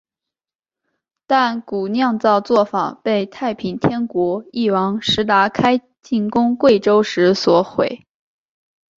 但古酿造作房被太平天国翼王石达开进攻贵州时所毁。